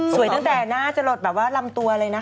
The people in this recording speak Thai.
ตั้งแต่หน้าจะหลดแบบว่าลำตัวเลยนะคะ